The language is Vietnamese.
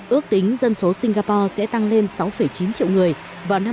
ước tính dân số singapore sẽ tăng lên sáu chín triệu người vào năm hai nghìn hai mươi